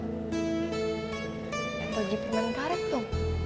tegi permen karet tuh